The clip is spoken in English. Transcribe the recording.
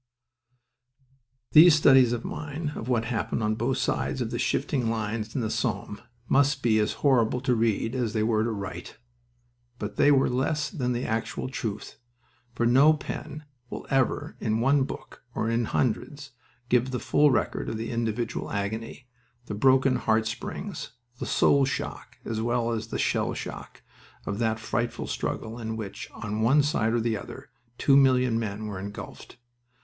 These studies of mine, of what happened on both sides of the shifting lines in the Somme, must be as horrible to read as they were to write. But they are less than the actual truth, for no pen will ever in one book, or in hundreds, give the full record of the individual agony, the broken heart springs, the soul shock as well as the shell shock, of that frightful struggle in which, on one side and the other, two million men were engulfed.